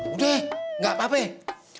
udah gak apa apa ya